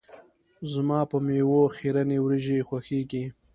زما په میو خیرنې وريژې خوښیږي.